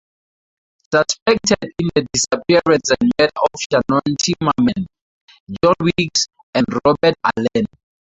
Suspected in the disappearance and murder of Shannon Timmerman, John Weeks, and Robert Allen.